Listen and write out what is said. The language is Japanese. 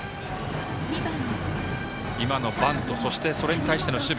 今のバント、それに対しての守備。